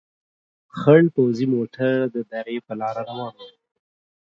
خړ پوځي موټر د درې په لار روان ول.